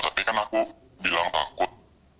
tapi kan aku bilang takut